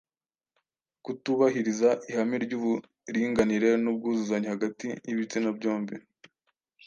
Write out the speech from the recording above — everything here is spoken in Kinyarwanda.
Kutubahiriza ihame ry’uburinganire n’ubwuzuzanye hagati y’ibitsina byombi